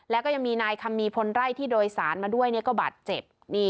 แล้วก็ยังมีนายคัมมีพลไร่ที่โดยสารมาด้วยก็บาดเจ็บ